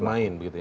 bermain begitu ya